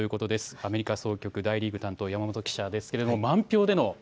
アメリカ総局、大リーグ担当山本記者です。